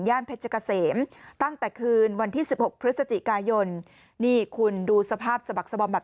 เพชรเกษมตั้งแต่คืนวันที่สิบหกพฤศจิกายนนี่คุณดูสภาพสะบักสบอมแบบ